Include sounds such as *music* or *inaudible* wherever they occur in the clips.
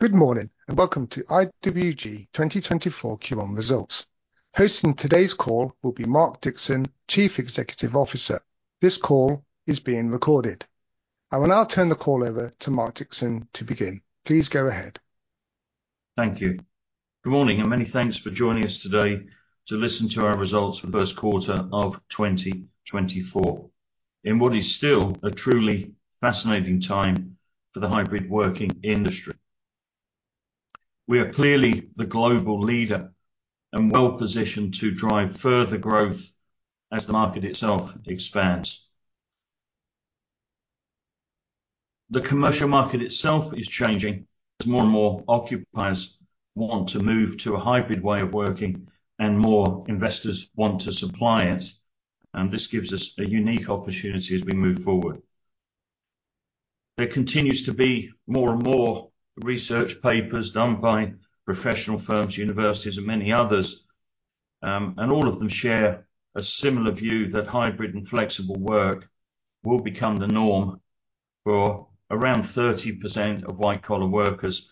Good morning, and welcome to IWG 2024 Q1 results. Hosting today's call will be Mark Dixon, Chief Executive Officer. This call is being recorded. I will now turn the call over to Mark Dixon to begin. Please go ahead. Thank you. Good morning, and many thanks for joining us today to listen to our results for the first quarter of 2024, in what is still a truly fascinating time for the hybrid working industry. We are clearly the global leader and well-positioned to drive further growth as the market itself expands. The commercial market itself is changing as more and more occupiers want to move to a hybrid way of working and more investors want to supply it, and this gives us a unique opportunity as we move forward. There continues to be more and more research papers done by professional firms, universities, and many others, and all of them share a similar view that hybrid and flexible work will become the norm for around 30% of white-collar workers,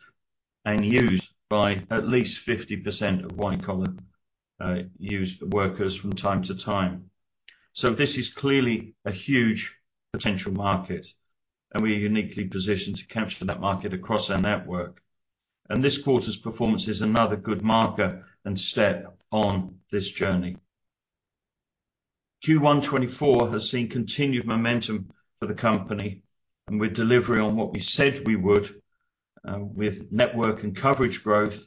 and used by at least 50% of white-collar workers from time to time. So this is clearly a huge potential market, and we are uniquely positioned to capture that market across our network. This quarter's performance is another good marker and step on this journey. Q1 2024 has seen continued momentum for the company, and we're delivering on what we said we would with network and coverage growth,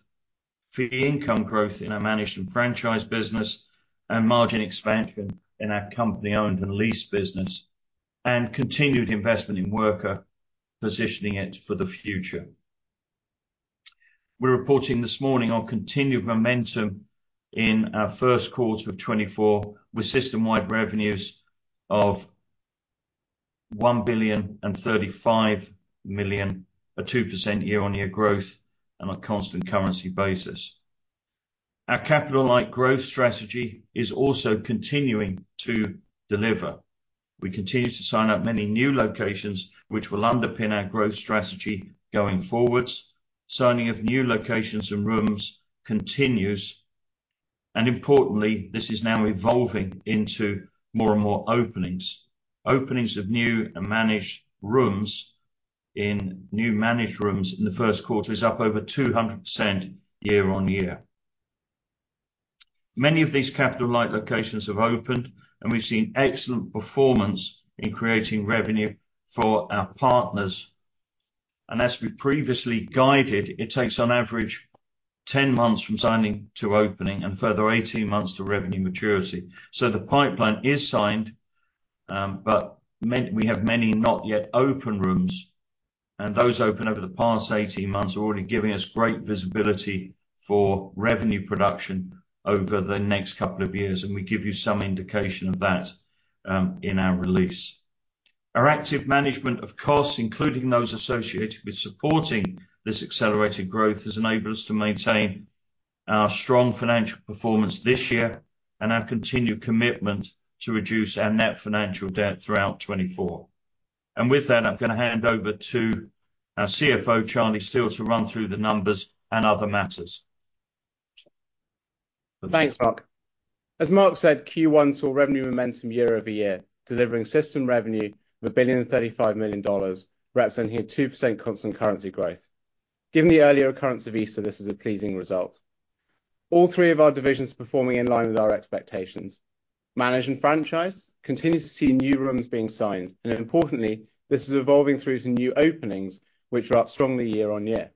fee income growth in our Managed and Franchised business, and margin expansion in our Company-owned and Leased business, and continued investment in Worka, positioning it for the future. We're reporting this morning on continued momentum in our first quarter of 2024, with system-wide revenues of $1.035 billion, a 2% year-on-year growth on a constant currency basis. Our capital-light growth strategy is also continuing to deliver. We continue to sign up many new locations, which will underpin our growth strategy going forwards. Signing of new locations and rooms continues, and importantly, this is now evolving into more and more openings. Openings of new and managed rooms in the first quarter is up over 200% year-on-year. Many of these capital-light locations have opened, and we've seen excellent performance in creating revenue for our partners. And as we previously guided, it takes on average, 10 months from signing to opening and a further 18 months to revenue maturity. So the pipeline is signed, but many—we have many not yet open rooms, and those open over the past 18 months are already giving us great visibility for revenue production over the next couple of years, and we give you some indication of that, in our release. Our active management of costs, including those associated with supporting this accelerated growth, has enabled us to maintain our strong financial performance this year, and our continued commitment to reduce our net financial debt throughout 2024. With that, I'm gonna hand over to our CFO, Charlie Steel, to run through the numbers and other matters. Thanks, Mark. As Mark said, Q1 saw revenue momentum year-over-year, delivering system revenue of $1.035 billion, representing 2% constant currency growth. Given the earlier occurrence of Easter, this is a pleasing result. All three of our divisions performing in line with our expectations. Managed and Franchised continue to see new rooms being signed, and importantly, this is evolving through to new openings, which are up strongly year-on-year.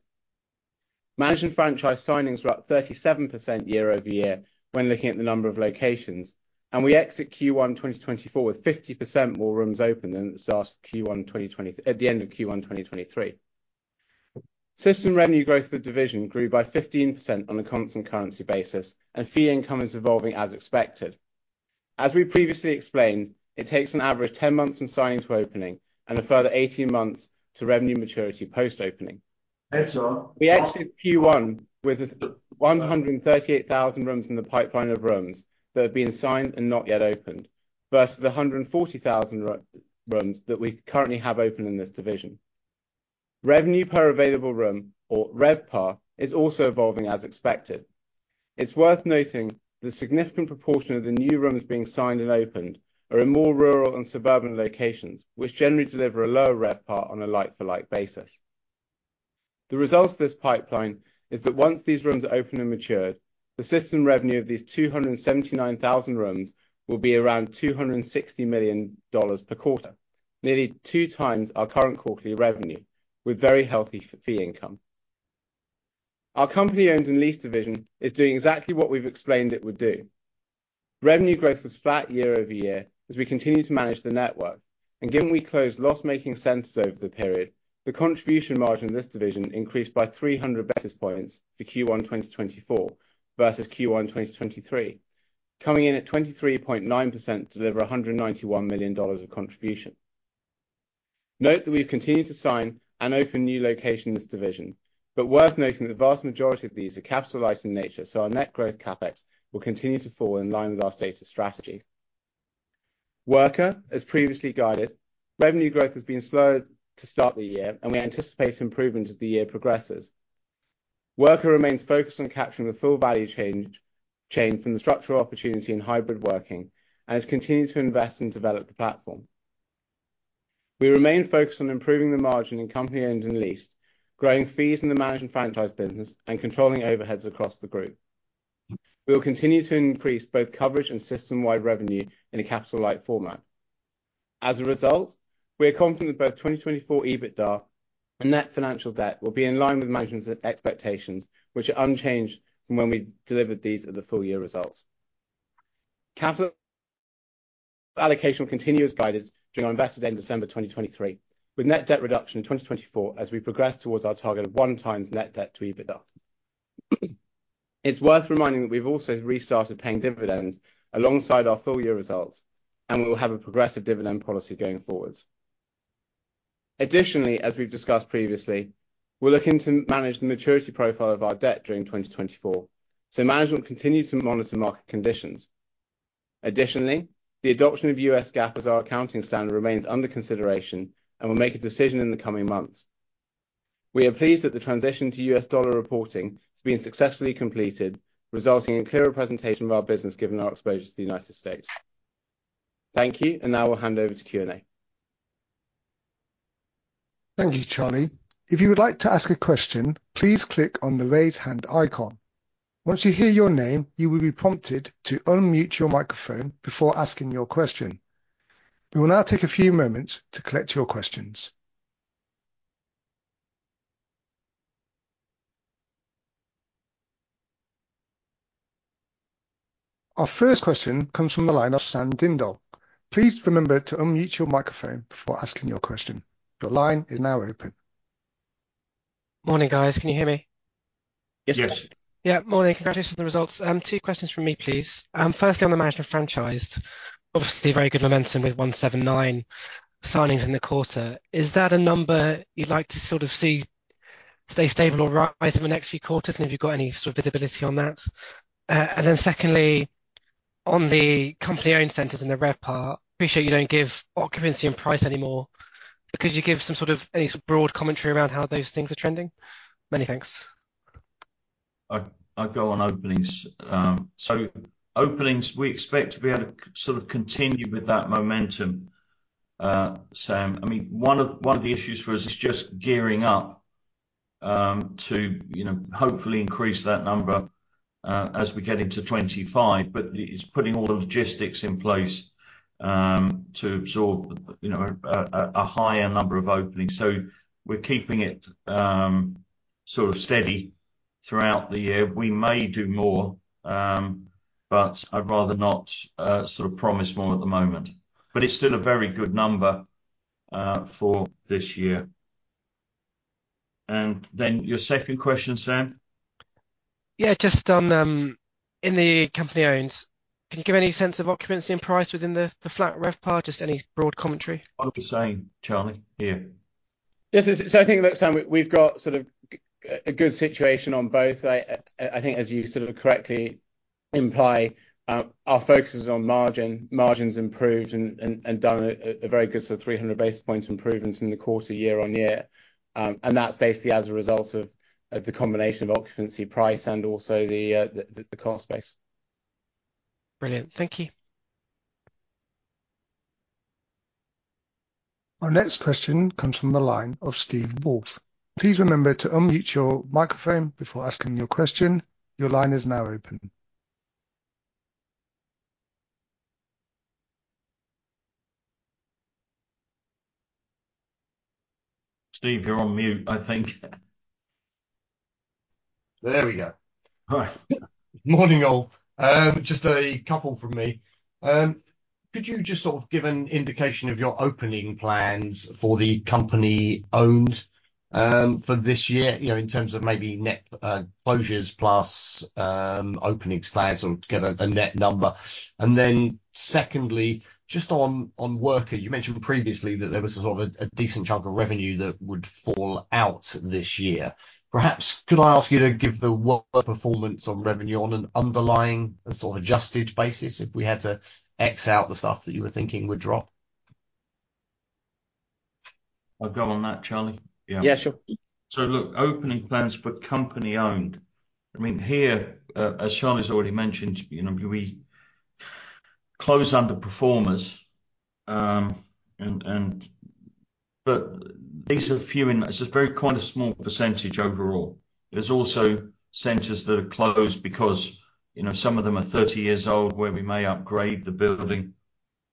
Managed and Franchised signings were up 37% year-over-year when looking at the number of locations, and we exit Q1 2024 with 50% more rooms open than at the end of Q1 2023. System revenue growth of the division grew by 15% on a constant currency basis, and fee income is evolving as expected. As we previously explained, it takes on average 10 months from signing to opening and a further 18 months to revenue maturity post-opening. *audio distortion* We exit Q1 with 138,000 rooms in the pipeline of rooms that have been signed and not yet opened, versus the 140,000 rooms that we currently have open in this division. Revenue per available room, or RevPAR, is also evolving as expected. It's worth noting that a significant proportion of the new rooms being signed and opened are in more rural and suburban locations, which generally deliver a lower RevPAR on a like-for-like basis. The results of this pipeline is that once these rooms are open and matured, the system revenue of these 279,000 rooms will be around $260 million per quarter, nearly two times our current quarterly revenue, with very healthy fee income. Our Company-owned and Leased division is doing exactly what we've explained it would do. Revenue growth was flat year-over-year as we continue to manage the network, and given we closed loss-making centers over the period, the contribution margin in this division increased by 300 basis points for Q1 2024 versus Q1 2023. Coming in at 23.9% to deliver $191 million of contribution. Note that we've continued to sign and open new locations division, but worth noting that the vast majority of these are capital-light in nature, so our net growth CapEx will continue to fall in line with our stated strategy. Worka, as previously guided, revenue growth has been slow to start the year, and we anticipate improvement as the year progresses. Worka remains focused on capturing the full value chain from the structural opportunity in hybrid working, and has continued to invest and develop the platform. We remain focused on improving the margin in Company-owned and Leased, growing fees in the Managed and Franchised business, and controlling overheads across the group. We will continue to increase both coverage and system-wide revenue in a capital-light format. As a result, we are confident that both 2024 EBITDA and net financial debt will be in line with management's expectations, which are unchanged from when we delivered these at the full year results. Capital allocation continues as guided during our investor day in December 2023, with net debt reduction in 2024 as we progress towards our target of 1x net debt to EBITDA. It's worth reminding that we've also restarted paying dividends alongside our full year results, and we will have a progressive dividend policy going forward. Additionally, as we've discussed previously, we're looking to manage the maturity profile of our debt during 2024, so management will continue to monitor market conditions. Additionally, the adoption of U.S. GAAP as our accounting standard remains under consideration, and we'll make a decision in the coming months. We are pleased that the transition to U.S. dollar reporting has been successfully completed, resulting in clearer presentation of our business, given our exposure to the United States. Thank you, and now I'll hand over to Q&A. Thank you, Charlie. If you would like to ask a question, please click on the Raise Hand icon. Once you hear your name, you will be prompted to unmute your microphone before asking your question. We will now take a few moments to collect your questions. Our first question comes from the line of Sam Dindol. Please remember to unmute your microphone before asking your question. Your line is now open. Morning, guys. Can you hear me? Yes. Yes. Yeah, morning. Congratulations on the results. Two questions from me, please. Firstly, on the managed franchise, obviously, very good momentum with 179 signings in the quarter. Is that a number you'd like to sort of see stay stable or rise in the next few quarters, and have you got any sort of visibility on that? And then secondly, on the company-owned centers and the RevPAR, appreciate you don't give occupancy and price anymore, but could you give some sort of any broad commentary around how those things are trending? Many thanks. I'll go on openings. So openings, we expect to be able to sort of continue with that momentum, Sam. I mean, one of the issues for us is just gearing up to, you know, hopefully increase that number as we get into 25. But it's putting all the logistics in place to absorb, you know, a higher number of openings. So we're keeping it sort of steady throughout the year. We may do more, but I'd rather not sort of promise more at the moment. But it's still a very good number for this year. And then your second question, Sam? Yeah, just on, in the company-owned, can you give any sense of occupancy and price within the flat RevPar? Just any broad commentary. Over to you, Charlie, yeah. Yes, so I think, look, Sam, we've got sort of a good situation on both. I think as you sort of correctly imply, our focus is on margin. Margin's improved and done a very good, so 300 basis points improvement in the quarter year-on-year. And that's basically as a result of the combination of occupancy price and also the cost base. Brilliant. Thank you. Our next question comes from the line of Steve Woolf. Please remember to unmute your microphone before asking your question. Your line is now open. Steve, you're on mute, I think. There we go. Hi. Morning, all. Just a couple from me. Could you just sort of give an indication of your opening plans for the company-owned for this year, you know, in terms of maybe net closures plus openings plans, or to get a net number? And then secondly, just on, on Worka, you mentioned previously that there was sort of a decent chunk of revenue that would fall out this year. Perhaps could I ask you to give the Worka performance on revenue on an underlying and sort of adjusted basis, if we had to x out the stuff that you were thinking would drop? I'll go on that, Charlie. Yeah. Yeah, sure. So look, opening plans for company-owned. I mean, here, as Charlie's already mentioned, you know, we close underperformers. But these are few in- It's a very kind of small percentage overall. There's also centers that are closed because, you know, some of them are 30 years old, where we may upgrade the building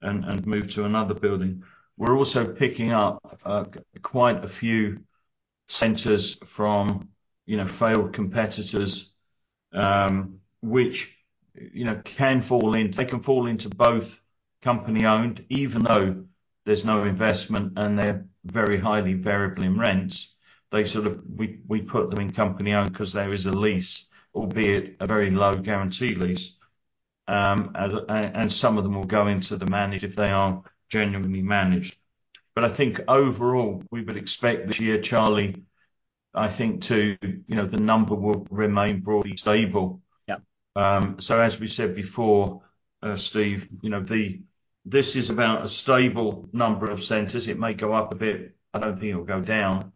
and move to another building. We're also picking up quite a few centers from, you know, failed competitors, which, you know, can fall into both company-owned, even though there's no investment, and they're very highly variable in rents. They sort of we put them in company-owned 'cause there is a lease, albeit a very low guarantee lease. And some of them will go into the managed if they aren't genuinely managed. But I think overall, we would expect this year, Charlie-... I think, too, you know, the number will remain broadly stable. Yep. So as we said before, Steve, you know, this is about a stable number of centers. It may go up a bit. I don't think it'll go down.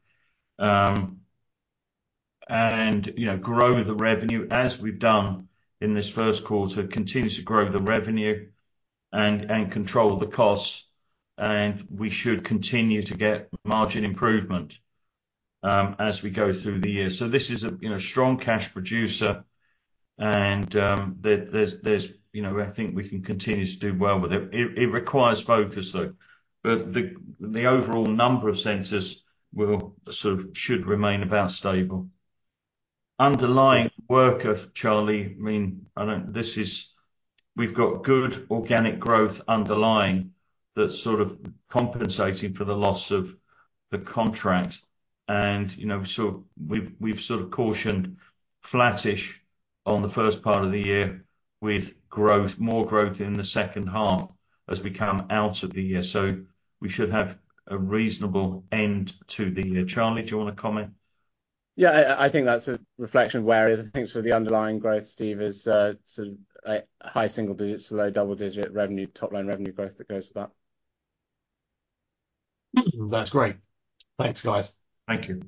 And, you know, grow the revenue as we've done in this first quarter, continue to grow the revenue and control the costs, and we should continue to get margin improvement as we go through the year. So this is a, you know, strong cash producer, and, there's, you know, I think we can continue to do well with it. It requires focus, though, but the overall number of centers will, sort of, should remain about stable. Underlying, Worka, Charlie, I mean, I don't... We've got good organic growth underlying that's sort of compensating for the loss of the contract, and, you know, so we've sort of cautioned flattish on the first part of the year with growth, more growth in the second half as we come out of the year. So we should have a reasonable end to the year. Charlie, do you want to comment? Yeah, I think that's a reflection where I think sort of the underlying growth, Steve, is sort of high single digits to low double-digit revenue, top line revenue growth that goes with that. That's great. Thanks, guys. Thank you.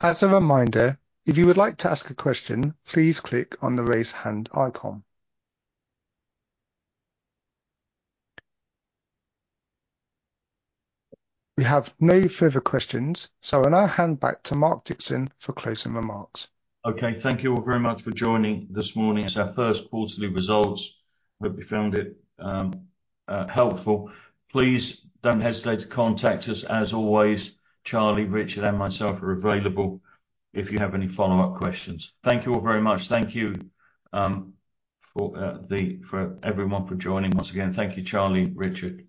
As a reminder, if you would like to ask a question, please click on the Raise Hand icon. We have no further questions, so I'll now hand back to Mark Dixon for closing remarks. Okay. Thank you all very much for joining this morning. It's our first quarterly results. Hope you found it helpful. Please don't hesitate to contact us. As always, Charlie, Richard, and myself are available if you have any follow-up questions. Thank you all very much. Thank you for everyone for joining once again. Thank you, Charlie, Richard.